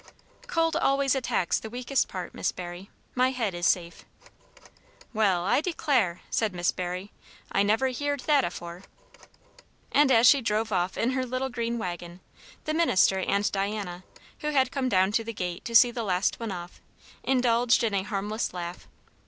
"Cold always attacks the weakest part, Miss Barry. My head is safe." "Well, I declare!" said Miss Barry. "I never heerd that afore." And as she drove off in her little green waggon, the minister and Diana, who had come down to the gate to see the last one off, indulged in a harmless laugh.